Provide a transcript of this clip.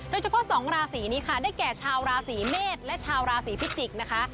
สองราศีนี้ค่ะได้แก่ชาวราศีเมษและชาวราศีพิจิกษ์นะคะ